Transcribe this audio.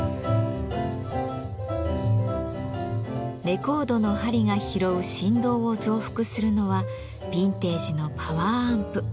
レコードの針が拾う振動を増幅するのはビンテージのパワーアンプ。